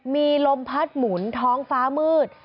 มีลมพัดหมุนท้องฟ้ามืด